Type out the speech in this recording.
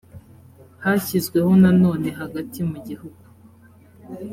hashyizweho na none hagati mu gihugu